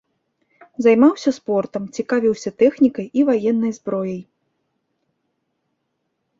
Займаўся спортам, цікавіўся тэхнікай і ваеннай зброяй.